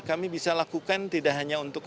kami bisa lakukan tidak hanya untuk